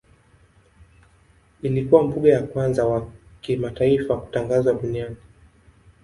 Ilikuwa mbuga ya kwanza wa kitaifa kutangazwa duniani.